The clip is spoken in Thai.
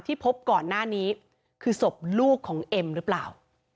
พบก่อนหน้านี้คือศพลูกของเอ็มหรือเปล่า